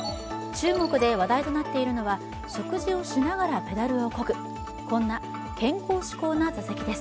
中国で話題となっているのは食事をしながらペダルをこぐ、こんな健康志向な座席です。